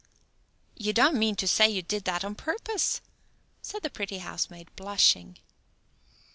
"You don't mean to say you did that on purpose?" said the pretty housemaid, blushing.